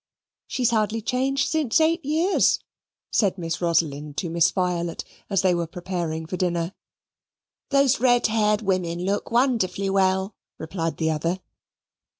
"She's hardly changed since eight years," said Miss Rosalind to Miss Violet, as they were preparing for dinner. "Those red haired women look wonderfully well," replied the other.